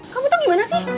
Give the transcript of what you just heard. kamu tuh gimana sih